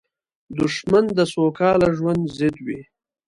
دښمن د سوکاله ژوند ضد وي